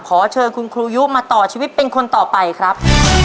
ขอเชิญคุณครูยุมาต่อชีวิตเป็นคนต่อไปครับ